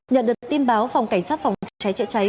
nhận được tin báo phòng cảnh sát phòng trái trợ trái